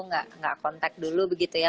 nggak kontak dulu begitu ya